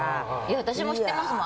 私も知ってますもん。